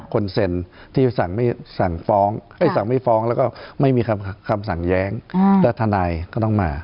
คนเซ็นที่สั่งไม่ฟ้องไม่มีคำสั่งแย้งและทนายก็ต้องมา